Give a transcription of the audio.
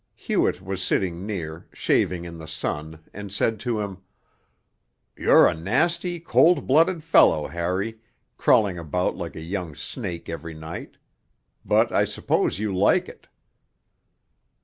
Hewett was sitting near, shaving in the sun, and said to him: 'You're a nasty, cold blooded fellow, Harry, crawling about like a young snake every night. But I suppose you like it.'